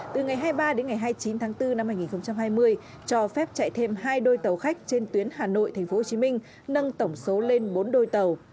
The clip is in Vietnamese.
từ ngày hai mươi ba đến ngày hai mươi chín tháng bốn năm hai nghìn hai mươi cho phép chạy thêm hai đôi tàu khách trên tuyến hà nội tp hcm nâng tổng số lên bốn đôi tàu